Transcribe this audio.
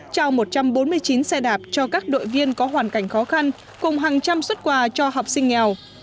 trao một trăm bốn mươi chín xe đạp cho các đội viên có hoàn cảnh khó khăn cùng hàng trăm xuất quà cho học sinh nghèo